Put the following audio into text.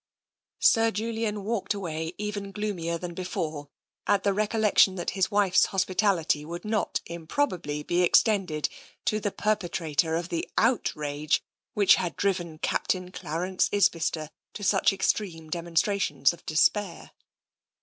Sir Julian walked away even gloomier than before at the recollection that his wife's hospitality would not improbably be extended to the perpetrator of the outrage which had driven Captain Clarence Isbister to such extreme demonstrations of despair.